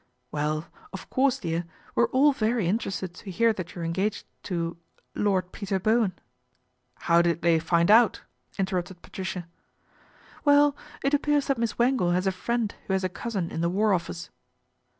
" Well, of course, dear, we're all very interested to hear that you are engaged to Lord Peter Bowen." " How did they find out ?" interrupted Pat ricia. " Well, it appears that Miss Wangle has a friend who has a cousin in the War Office."